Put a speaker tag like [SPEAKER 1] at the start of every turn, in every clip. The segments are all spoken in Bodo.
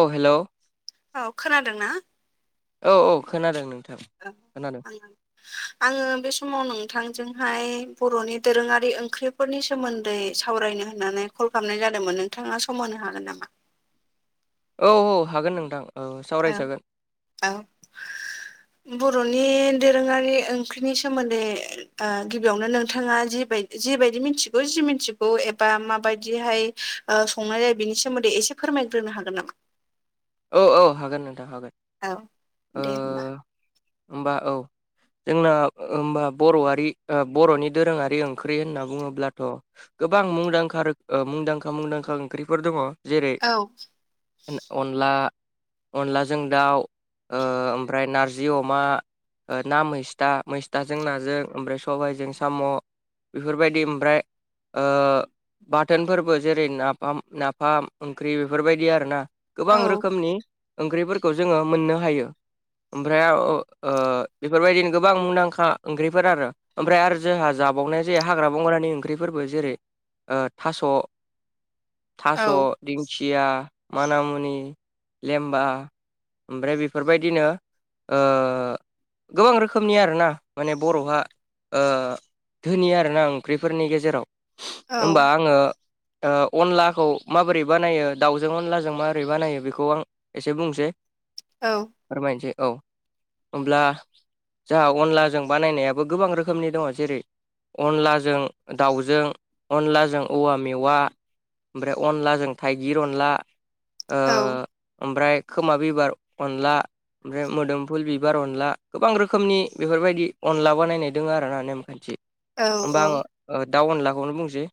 [SPEAKER 1] औ हेलौ
[SPEAKER 2] औ खोनादोंना
[SPEAKER 1] औ औ खोनादों नोंथां।
[SPEAKER 2] औ
[SPEAKER 1] खोनादों
[SPEAKER 2] आं
[SPEAKER 1] [inaudible]
[SPEAKER 2] आङो बे समाव नोंथांजोंहाय बर'नि दोरोङारि ओंख्रिफोरनि सोमोन्दै सावरायनो होननानै कल खालामनाय जादोंमोन नोंथाङा सम होनो हागोन नामा
[SPEAKER 1] औ औ हागोन नोंथां ओ
[SPEAKER 2] औ
[SPEAKER 1] सावरायजागोन
[SPEAKER 2] औ बर'नि दोरोङारि ओंख्रिनि सोमोन्दै ओ गिबियावनो नोंथाङा जिबाय जिबायायदि मिथिगौ जि मिथिगौ एबा माबायदिहाय संनाय जायो बिनि सोमोन्दै एसे फोरमायग्रोनो हागोन नामा?
[SPEAKER 1] औ औ हागोन नोंथां हागोन
[SPEAKER 2] औ
[SPEAKER 1] ओ
[SPEAKER 2] दे होमबा
[SPEAKER 1] होमबा औ जोंना ओमबा बर'आारि बर'नि दोरोङारि ओंख्रि होनना बुङोब्लाथ' गोबां मुंदांखा रोख ओ मुंदांखा मुंदांखा ओंख्रिफोर दङ जेरै
[SPEAKER 2] औ
[SPEAKER 1] अनला अनलाजों दाउ ओ ओमफ्राय नारजि अमा ना मैस्था मैस्थाजों नाजों ओमफ्राय सबायाइजों साम' बेफोरबायदि ओमफ्राय ओ बाथोनफोरबो जेरै नाफाम नाफाम ओंख्रि बेफोरबायदि आरो ना
[SPEAKER 2] औ
[SPEAKER 1] गोबां रोखोमनि ओंख्रिफोरखौ जोङो मोननो हायो ओमफ्राय आ ओ बेफोरबायदिनो गोबां मुंदांखा ओंख्रिफोर आरो ओमफ्राय आरो जोंहा जाबावनाय जायो हाग्रा बंग्रानि ओंख्रिफोरबो जेरै ओ थास'
[SPEAKER 2] औ
[SPEAKER 1] थास' दिंखिया माना मु नि लेमबा ओमफ्राय बेफोरबायदिनो ओ गोबां रोखोमनि आरोना माने बर'हा ओ धोनि आरो ना ओंख्रिफोरनि गेजेराव
[SPEAKER 2] औ
[SPEAKER 1] ओमबा आङो ओ अनलाखौ माबोरै बानायो दाउजों अनलाजों मा बोरै बानायो बेखौ आं एसे बुंसै
[SPEAKER 2] औ
[SPEAKER 1] फोरमायनोसै औ होमब्ला जाहा अनलाजों बानायनायाबो गोबां रोखोमनि दङ जेरै अनलाजों दाउजों अनलाजों औवा मेवा ओमफ्राय अनलाजों थाइगिर अनला ओ ओमफ्राय खोमा बिबार अनला ओमफ्राय मोदोमफुल बिबार अनला गोबां रोखोमनि बेफोरबायदि अनला बानायनाय दङ आरो ना
[SPEAKER 2] औ
[SPEAKER 1] होमबा
[SPEAKER 2] औ
[SPEAKER 1] आङो ओ दाउ अनलाखौनो बुंसै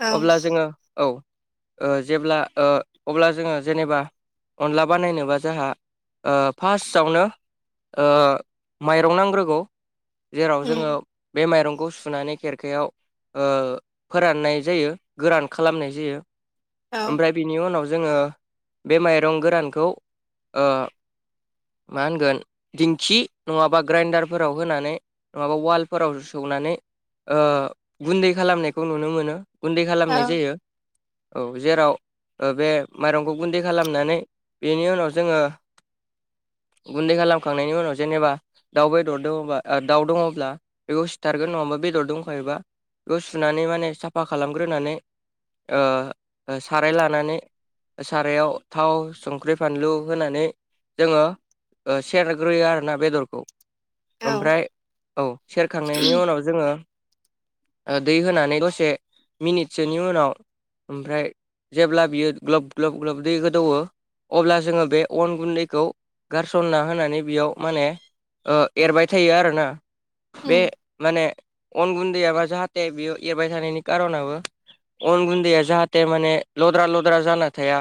[SPEAKER 2] औ
[SPEAKER 1] अब्ला जोङो औ ओ जेब्ला ओ अब्ला जोङो जेनेबा अनला बानायनोबा जोंहा ओ फार्स्टआवनो ओ माइरं नांग्रोगौ जेराव जोङो
[SPEAKER 2] उम
[SPEAKER 1] बे माइरंखौ सुनानै खेरख खायाव ओ फोरननाय जायो गोरान खालामनाय जायो
[SPEAKER 2] औ
[SPEAKER 1] बिनि उनाव जोङो बे माइरं गोरानखौ ओ मा होनगोन दिंखि नङाबा ग्राइडारफोराव होनानै नङाबा उवालफोराव सौनानै ओ गुन्दै खालामनायखौ नुनो मोनो गुन्दै
[SPEAKER 2] औ
[SPEAKER 1] खालामनाय जायो औ जेराव ओ बे माइरंखौ गुन्दै खालामनानै बेनि उनाव जोङो गुन्दै खालामखांनायनि उनाव जेनेबा दाउ बेदर दङबा ओ दाउ दङब्ला बेखौ सिथारगोन नङाबा बेदर दंखायोबा बे सुनानै माने साफा खालामग्रोनानै ओ साराय लानानै सारायाव थाव संख्रि फानलु होनानै जोङो। ओ सेरग्रोयो आरो ना बेदरखौ
[SPEAKER 2] औ
[SPEAKER 1] ओमफ्राय औ सेरखांनायनि उनाव जोङो दै होनानै दसे मिनिटसोनि उनाव ओमफ्राय जेब्ला बियो ग्लब ग्लब ग्लब दै गोदौओ अब्ला जोङो बे अन गुन्दैखौ गारसनना होनानै बेयाव माने ओ एरबाय थायो आरोना बे
[SPEAKER 2] उम
[SPEAKER 1] माने अन गुन्दैयाबा जाहाथे बियो एरबाय थानायनि कार'नाबो अन गुन्दैया जाहाथे माने लद्रा लद्रा जाना हथाया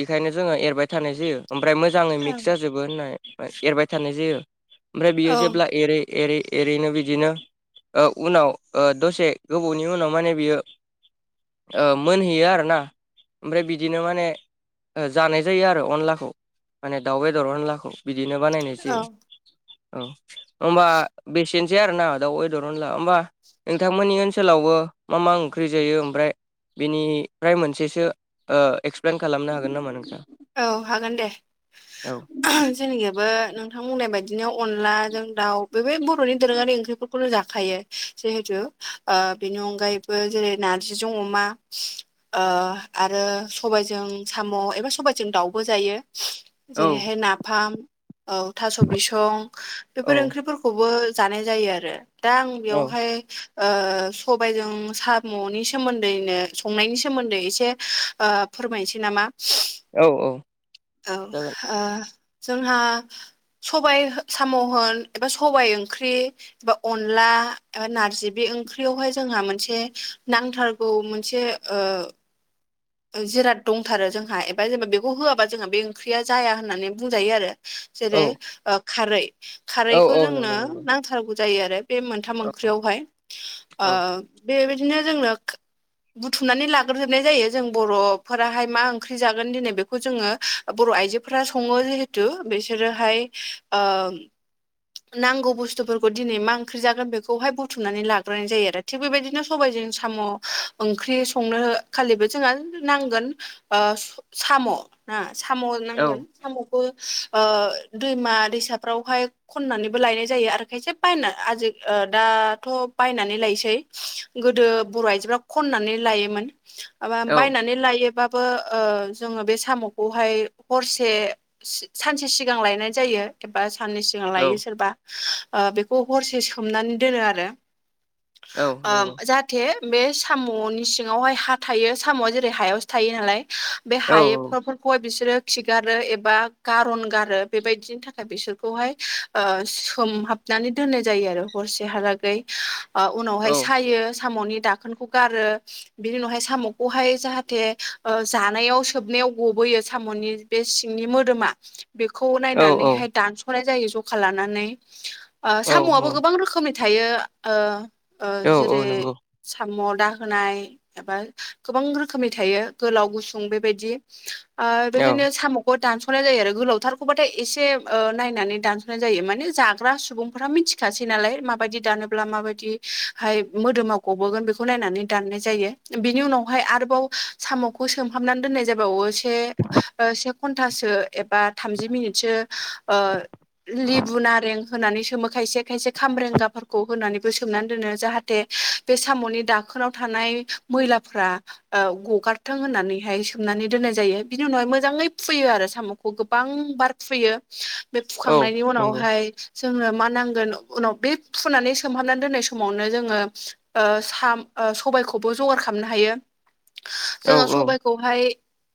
[SPEAKER 1] बेखायनो जोङो एरबाय थानाय जायो ओमफ्राय मोजाङै
[SPEAKER 2] औ
[SPEAKER 1] मिक्स जाजोबो होननाय एरबाय थानाय जायो ओमफ्राय
[SPEAKER 2] औ
[SPEAKER 1] बियो जेब्ला एरै एरै एरैनो बिदिनो [unintelligible] ओ उनाव दसे गोबावनि उनाव माने बियो ओ मोनहैयो आरो ना ओमफ्राय बिदिनो माने जानाय जायो आरो अनलाखौ माने दाउ बेदर अनलाखौ बिदिनो बानायनाय
[SPEAKER 2] औ
[SPEAKER 1] जायो औ होनबा बेसे थेनसै आरो ना दाउदरन ला होमबा नोंथांमोननि ओनसोलावबो मा मा ओंख्रि जायो ओमफ्राय बेनिफ्राय मोनसेसो ओ एक्सप्लेन खालामनो हागोन नामा नोंथां
[SPEAKER 2] औ हागोन दे
[SPEAKER 1] औ
[SPEAKER 2] जोंनिखबो नोंथां बुंनाय बायदिनो अनलाजों दाउ बे बर'नि दोरोङारि ओंख्रिफोरखौनो जाखायो। जिहेथु ओ‌ बेनि अनगायैबो जेरै नारजिजों अमा ओ आरो सबायजों साम' एबा सबाय जों दाउबो जायो
[SPEAKER 1] औ
[SPEAKER 2] जेरैहाय नाफाम औ थास' बिसं
[SPEAKER 1] औ
[SPEAKER 2] बेफोर ओंख्रिफोरखौबो जानाय जायो आरो दा आं बेयावहाय ओ सबायजों साम'नि सोमोन्दैनो संनायनि सोमोन्दै एसे ओ फोरमायनोसै नामा
[SPEAKER 1] औ औ जागोन
[SPEAKER 2] औ जोंहा सबायाइ साम'होन एबा सबायाइ ओंख्रि बा अनला नारजि बे ओंख्रियावहाय जोंहा मोनसे नांथारग बे मोनसे ओ
[SPEAKER 1] [inaudible]
[SPEAKER 2] जिराद दंथार जोंहा एबा जेनेबा बे खौ होआबा जोंहा बे ओंख्रिया जाया होननानै बुंजायो आरो
[SPEAKER 1] औ
[SPEAKER 2] जेरै खारै
[SPEAKER 1] औ
[SPEAKER 2] खारैखौ
[SPEAKER 1] औ
[SPEAKER 2] जोंनो
[SPEAKER 1] नंगौ नंगौ
[SPEAKER 2] नांथारगौ जायो आरो बे मोनथाम
[SPEAKER 1] औ
[SPEAKER 2] ओंख्रियावहाय
[SPEAKER 1] औ
[SPEAKER 2] ओ बेबायदिनो जोंनो बुथुमनानै लाग्रोजोबनाय जायो जों बर'फोराहाय मा ओंख्रि जागोन दिनै बेखौ जोङो बर' आइजोफोरा सङो जिहेथु बिसोरोहाय ओ नांगौ बुस्थुफोरखौ दिनै मा ओंख्रि जागोन बेखौहाय बुथुमनानै लाग्रोनाय जायो आरो थिग बेबायदिनो सबायाइजों साम' ओंख्रि संनो खालिबो जोंहा नांगोन। ओ साम' ना साम'
[SPEAKER 1] औ
[SPEAKER 2] नांगोन साम'खौ ओ दैमा दैसाफ्रावहाय खननानैबो लायनाय जायो आरो खायसे बायना आजि दाथ' बायनानै लायसै गोदो बर' आइजोफ्रा खननानै लायोमोन
[SPEAKER 1] [inaudible]
[SPEAKER 2] म बायनानै लायोबाबबो जोङो बे साम'खौहाय हरसे सानसे सिगां लायनाय जायो एबा साननै लायो सोरबा ओ बेखौ हरसे सोमनानै दोनो आरो
[SPEAKER 1] औ
[SPEAKER 2] ओ
[SPEAKER 1] नंगौ
[SPEAKER 2] जाहाथ थे बे साम'नि सिङावहाय हा थायो साम'आ जेरै हायावसो थायो नालाय बे
[SPEAKER 1] औ
[SPEAKER 2] हाय फोरखौहाय बिसोरो खिगारो एबा गारन गारो बेबायदिनि थाखाय बिसोरखौहाय सोमहाबनानै दोननाय जायो आरो हरसेहालागै
[SPEAKER 1] औ
[SPEAKER 2] उनावहाय सायो साम'नि दा खोनखौ गारो बिनि उनावहाय साम'खौहाय जाहाथे जानायाव सोबनायाव गबोयो साम'नि बे सिंनि मोदोमा बेखौ नायनानैहाय दान्स नाय जायो जखा लानानै साम'आबो गोबां रोखोमनि थायो ओ
[SPEAKER 1] औ
[SPEAKER 2] जेरै
[SPEAKER 1] नंगौ
[SPEAKER 2] साम' दाहोनाय एबा गोबां रोखोमनि थायो गोलाव गुसुं बेबायदि आ
[SPEAKER 1] औ
[SPEAKER 2] बेखायनो साम' दानस'नाय जायो आरो गोलावथारखौबाथाय एसे नायनानै दानस'नाय जायो माने जाग्रा सुबुंफोरा मिथि सासै नालाय माबायदि दानोब्ला माबायदिहाय मोदोमाव गबोगोन बेखौ नायनानै दाननाय जायो बिनि उनावहाय आरोबाव साम'खौ सोमहाबनानै दोननाय जाबाय उनाव से से घटासो एबा थामजि मिनिटसो ओ लेबु नारें होनानै सोमो खायसे खायसे खामरेंगाफोरखौ होनानैबो सोमनानै दोनो जाहाथे बे साम'नि दाखोनाव थानाय मैलाफ्रा गगारथों होननानैहाय दुमनानै दोननाय जायो बिनि उनावहाय मोजाङै फुयो आरो साम'खौ गोबां बार फुयो बे
[SPEAKER 1] औ
[SPEAKER 2] फुखांनायनि
[SPEAKER 1] नंगौ औ
[SPEAKER 2] उनावहाय जोङो मा नांगोन उनाव बे फुनानै सोमहाबनानै दोननाय समावनो जोंङो साम सबायखौबो जगार खालामनो हायो जोङो सबायखौ हाय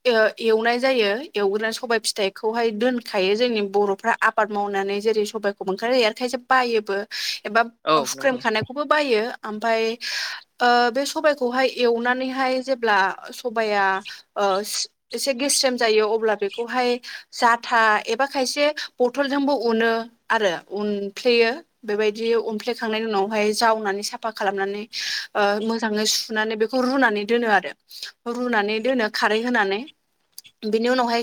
[SPEAKER 2] एवनाय जायो एवग्रोनानै सबाय फिथाइखौहाय दोनखायो जोंनि बर'फ्रा आबाद मावनानै जेरै सबाइखौ मोनखानाय आरो खायसे बायोबो एबा
[SPEAKER 1] औ नंगौ
[SPEAKER 2] सुख्रेम खानाय खौबो बायो आओमफ्राय बे सबाइखौहाय एवनानैहाय जेब्ला सबाया एसे गेस्रेम जायो अब्ला बेखौहाय जाब आथा एबा खायसे बथलजोंबो उनो आरो उनफ्लेयो बेबायदि अमफ्लेखांनायनि उनावहाय जावनानै साफा खालामनानै मोजाङै सुनानै बे बेखौ रुनानै दोनो आरो रुनानै दोनो खारै होनानै बिनि उनावहाय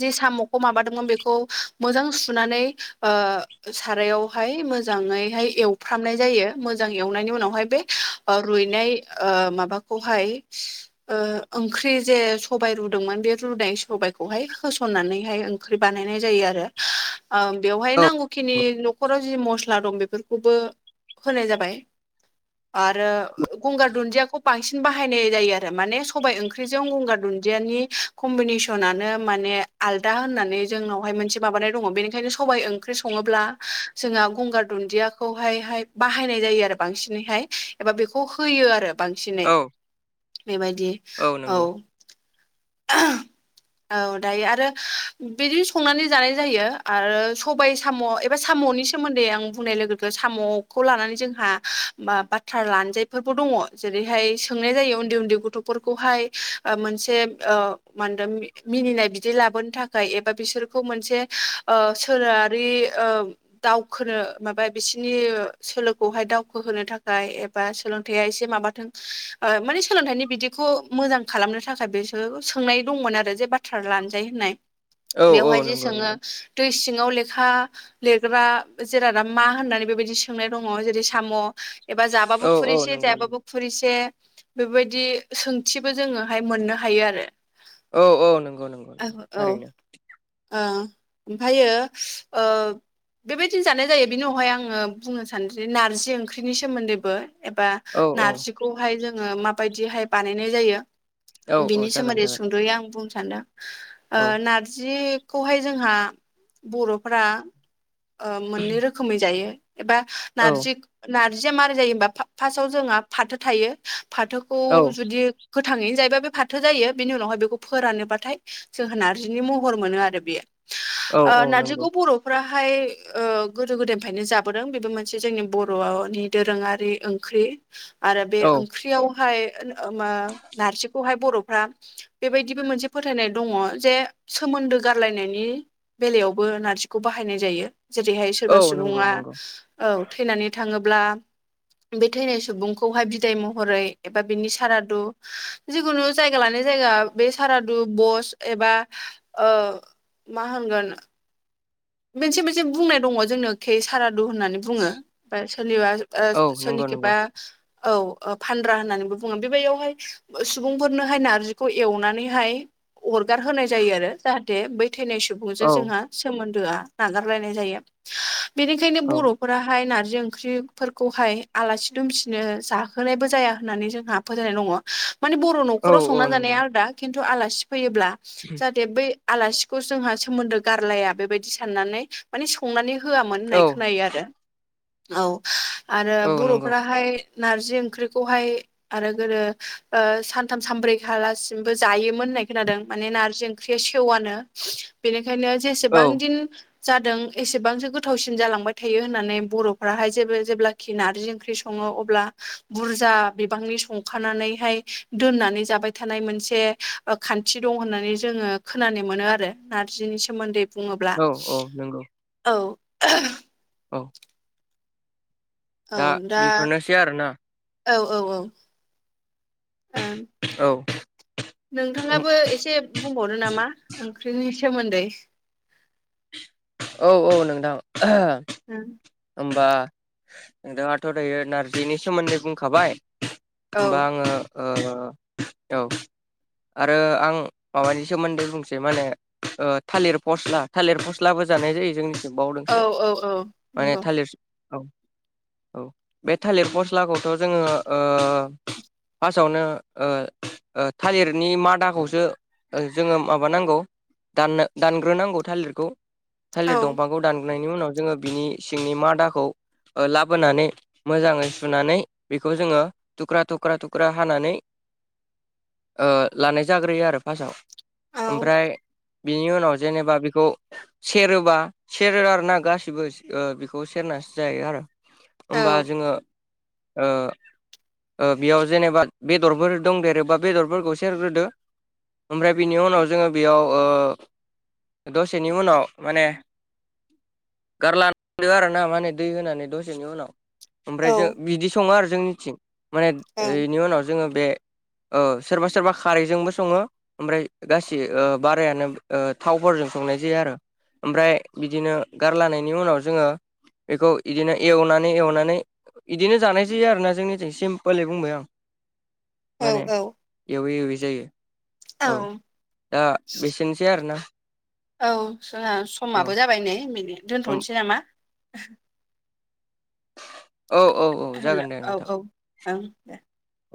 [SPEAKER 2] जे साम'खौ माबादोंमोन बेखौ मोजां सुनानै ओ सारायावहाय मोजाङैहाय एवफ्रामनाय जायो मोजां एवनायनि उनावहाय बे रुइनाय माबाखौहाय ओ ओं ओंख्रि जे सबाय रुदोंमोन बे रुनाय सबायाइखौहाय होसननानैहाय ओंख्रि बानायनाय जायो आरो
[SPEAKER 1] [inaudible]
[SPEAKER 2] बेवहाय
[SPEAKER 1] औ
[SPEAKER 2] नांगौखिनि न'खराव जि मस्ला दं बेफोरखौबो होनाय जाबाय आरो गंगार दुन्दियाखौ बांसिन बाहायनाय जायो आरो माने सबाइ ओं जों गंगार दुन्दियानि खमबिनेसन आनो माने आलदा होननानै जोनावहाय मोनसे माबानाय दङ बेनिखायनो सबाय ओंख्रि सङोबा जोंहा गंगार दुदियाखौहाय हाय बाहायनाय जायो आरो बांसिनैहाय एबा बेखौ होयो आरो बांसिनै
[SPEAKER 1] औ
[SPEAKER 2] बेबायदि
[SPEAKER 1] औ नंगौ
[SPEAKER 2] [unintelligible] औ दायो आरो बिदि संनानै जानाय जायो आरो सबाइ साम' साम'नि सोमोन्दै आं बुंनाय लोगोखौ साम'खौ लानानै जोंहा माबा ओ फाथार लानजायफोरबो दङ जेरैहाय सोंनाय जायो उन्दै उन्दै गथ'फोरखौहाय मोनसे मा होनदों मिनिनाय बिदि लाबोनो थाखाय एबा बिसोरखौ मोनसे सोलोआारि ओ दावखोनो माबा बिसोरनि सोलोखौहाय दावखोहोनो थाखाय एबा सोलोंथाइया एसे माबाथों माने सोलोंथाइनि बिदिखौ मोजां खालामनो थाखाय बिसोर सोंनाय दंमोन आरो जे बाथ बाथ्रा लानजायो होननाय
[SPEAKER 1] औ औ
[SPEAKER 2] बेवहाय जे
[SPEAKER 1] नंगौ
[SPEAKER 2] सोङो
[SPEAKER 1] नंगौ
[SPEAKER 2] दै सिङाव लेखा लिरग्रा जेरा दा मा होननानै बेबायदि सोंनाय दङ जेरै साम' एबा जाबाबो
[SPEAKER 1] औ औ
[SPEAKER 2] खुरैसे
[SPEAKER 1] नंगौ नंगौ
[SPEAKER 2] जायाबाबो खुरैसे बेबायदि सोंथि जोंङोहाय मोननो हायो आरो
[SPEAKER 1] औ औ नंगौ नंगौ नंगौ
[SPEAKER 2] औ
[SPEAKER 1] थारैनो
[SPEAKER 2] ओ ओमफ्रायो ओ बेबायदिनो जानाय जायो बिनि उनावहाय आंङो बुंनो सानोदि नारजि ओंख्रिनि सोमोन्दैबो एबा
[SPEAKER 1] औ औ
[SPEAKER 2] नारजिखौहाय जोङो माबायदिहाय बानायनाय जायो
[SPEAKER 1] औ औ
[SPEAKER 2] बिनि
[SPEAKER 1] जागोन
[SPEAKER 2] सोमोन्दै
[SPEAKER 1] जागोन
[SPEAKER 2] सुंद'यै आं बुंनो सान्दों
[SPEAKER 1] औ
[SPEAKER 2] नारजि खौहाय जोंहा बर'फ्रा मोननै रोखोमै जायो एबा
[SPEAKER 1] औ
[SPEAKER 2] नारजि नार्जिया मारै जायो हबा फार्स्टाव जोंहा फाथो थायो फाथो
[SPEAKER 1] औ
[SPEAKER 2] खौ जुदि गोथाङैनो जायोबा बे फाथो जायो बेनि उनावहाय बेखौ फोरानोबाथाय जोङो नारजिनि महर मोनो आरो बेयो
[SPEAKER 1] औ औ नंगौ
[SPEAKER 2] नारजिखौ बर' फोरा हाय ओ गोदो गोदायनिफ्रायनो जाबोदों बेबो मोनसे जोंनि बर'नि दोरोङारि ओंख्रि। आरो बे
[SPEAKER 1] औ
[SPEAKER 2] ओंख्रियावहाय ओन ओ म नारजिखौहाय बर'फ्रा बेबायदिबो मोनसे फोथायनाय दङ जे सोमोन्दो गारलायनायनि बेलायावबो नारजिखौ बाहायनाय जायो। जेरैहाय सोरबा
[SPEAKER 1] औ नंगौ
[SPEAKER 2] सुबुङा
[SPEAKER 1] नंगौ
[SPEAKER 2] औ थैनानै थाङोब्ला बे थैनाय सुबुंखौहाय बिदाय महरै एबा बिनि सारादु जिखुनु जायगा लानाय जायगा बे सारादु बस एबा ओ मा होनगोन मोनसे मोनसे बुंनाय दङ जोंनो खे सारादु होननानै बुङो होमफ्राय सोरनिबा
[SPEAKER 1] औ नंगौ नंगौ
[SPEAKER 2] सोरनिखेबा औ फानद्रा होननानैबो बुङो। बेबादियावहाय सुबुंफोरनोहाय नारजिखौ एवनानैहाय अरगार होनाय जायो आरो जाहाथे बै थैनाय सुबुंजों
[SPEAKER 1] औ
[SPEAKER 2] जोंहा सोमोन्दोआ नागारलायनाय जायो। बेनिखायनो
[SPEAKER 1] औ
[SPEAKER 2] बर' न'खराहाय नारजि ओंख्रिफोरखौहाय आलासि दुमसिनो जाहोनायबो जाया होननानै जोंहा फोथायनाय दङ। माने बर'
[SPEAKER 1] औ
[SPEAKER 2] न'खराव
[SPEAKER 1] औ
[SPEAKER 2] संना
[SPEAKER 1] नंगौ
[SPEAKER 2] जानाया आलदा खिन्थु आलासि फैयोब्ला जाहाथे बै आलासिखौ जोंहा सोमोन्दो गारलाया बेबायदि साननानै माने संनानै होआमोन
[SPEAKER 1] औ
[SPEAKER 2] होननाय खोनायो आरो औ आरो
[SPEAKER 1] औ नंगौ
[SPEAKER 2] बर'फोरा फ्राय नारजि ओंख्रिखौहाय आरो गोदो सानथाम सानब्रै खालासिमबो जायोमोन होननाय खोनादों माने नारजि ओं ओंख्रिया सेवआनो बेनिखायनो
[SPEAKER 1] औ
[SPEAKER 2] जेसेबां दिन जादों एसेबांसो गोथावसिन जालांबाय थायो होननानै बर'फ्राहाय जेबो जेब्लाखि नारजि ओंख्रि सं सङो अब्ला बुरजा बिबांनि संखानानैहाय दोननानै जाबाय थानाय मोनसे खान्थि दं होननानै जोङो खोनानो मोनो आरो नार्जिनि सोमोन्दै ब्ला।
[SPEAKER 1] औ औ नंगौ
[SPEAKER 2] औ
[SPEAKER 1] औ
[SPEAKER 2] औ दा
[SPEAKER 1] बेफोरनोसै आरोना
[SPEAKER 2] औ औ औ ओं
[SPEAKER 1] औ
[SPEAKER 2] नोंथाङाबो एसे बुंबावनो नामा ओंख्रिनि सोमोन्दै।
[SPEAKER 1] औ औ नोंथां ओहो
[SPEAKER 2] उम
[SPEAKER 1] होमबा नोंथाङाथ' दायो नारजिनि सोमोन्दै बुंखाबाय।
[SPEAKER 2] औ
[SPEAKER 1] होमबा आङो ओ औ आरो आं माबानि सोमोन्दै बुंसै मा होनो थालिर फस्ला थालिर फस्लाबो जानाय जायो जोंनि
[SPEAKER 2] औ औ औ
[SPEAKER 1] माने
[SPEAKER 2] नंगौ
[SPEAKER 1] थालिर औ औ बे थालिर मस्लाखौथ' जोङो ओ फार्स्टआवनो ओ ओ थालिरनि मादाखौसो जोङो माबानांगौ दाननो दानग्रोनांगौ थालिरखौ।
[SPEAKER 2] औ
[SPEAKER 1] थालिर दंफांखौ दानगोनायनायनि उनाव जोङो बिनि सिंनि मादाखौ लाबोनानै मोजाङै सुनानै बेखौ जोङो थुख्रा थुख्रा थुख्रा हानानै ओ लानाय जाग्रोयो आरो फास्स्टआव।
[SPEAKER 2] औ
[SPEAKER 1] ओमफ्राय बिनि उनाव जेनेबा बेखौ सेरोबा सेरो आर ना गासिबो बेखौ सेरनासो जायो आरो।
[SPEAKER 2] औ
[SPEAKER 1] होमबा जोङो ओ ओ बेयाव जेनेबा बेदरफोर दंदेरोबा बेदरफोरखौ सेरग्रोदो ओमफ्राय बिनि उनाव जोङो बेयाव ओ दसेनि उनाव माने गारला संदो आरोना माने दै होनानै दसेनि उनाव ओमफ्राय
[SPEAKER 2] औ
[SPEAKER 1] जो बिदि सङो आरोना जोंनिथिं। माने
[SPEAKER 2] ओं
[SPEAKER 1] इनि उनाव जोङो बे औ सोरबा सोरबा खारैजोंबो सङो ओमफ्राय गासै बारायानो थावफोरजों संनाय जायो आरो। ओमफ्राय बिदिनो गारलानायनि उनाव जोङो बेखौ बिदिनो एवनानै एवनानै बिदिनो जानाय जायो आरो ना जोंनिथि सिमपोलै बुंबाय आं
[SPEAKER 2] औ
[SPEAKER 1] माने
[SPEAKER 2] औ
[SPEAKER 1] एवै एवै जायो औ दा बेसेनोसै आरोना
[SPEAKER 2] औ सना
[SPEAKER 1] औ
[SPEAKER 2] समाबो जाबाय नेै दोनथ'नोसै नामा
[SPEAKER 1] औ औ औ
[SPEAKER 2] हेल'
[SPEAKER 1] जागोन दे
[SPEAKER 2] औ
[SPEAKER 1] नोंथां
[SPEAKER 2] औ ओं दे
[SPEAKER 1] औ